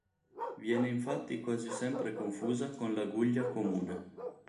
Viene infatti quasi sempre confusa con l'aguglia comune.